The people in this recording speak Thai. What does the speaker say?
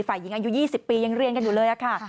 ฝ่ายหญิงอายุ๒๐ปียังเรียนกันอยู่เลยค่ะ